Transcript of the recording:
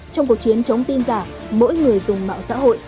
trong cuộc chiến chống tin giả mỗi người dùng mạng xã hội